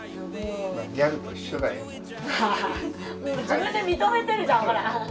自分で認めてるじゃんほら。